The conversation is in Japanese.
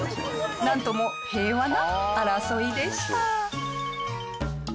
なんとも平和な争いでした。